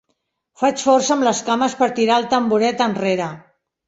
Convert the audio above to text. Faig força amb les cames per tirar el tamboret enrere.